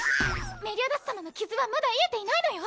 メリオダス様の傷はまだ癒えていないのよ。